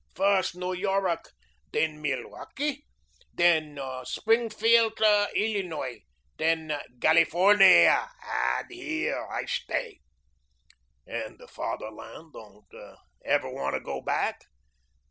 First, New Yor ruk; den Milwaukee; den Sbringfieldt Illinoy; den Galifornie, und heir I stay." "And the Fatherland? Ever want to go back?"